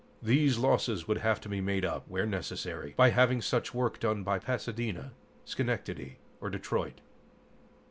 These losses would have to be made up, where necessary, by having such work done by Pasadena, Schenectady or Detroit.